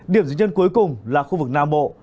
điểm dự nhân cuối cùng là khu vực nam bộ